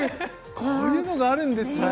こういうのがあるんですね